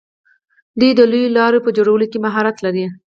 دوی د لویو لارو په جوړولو کې مهارت لري.